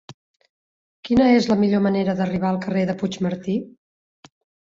Quina és la millor manera d'arribar al carrer de Puigmartí?